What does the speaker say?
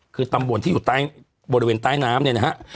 คือตำบลที่อยู่บริเวณใต้น้ำเนี่ยนะฮะ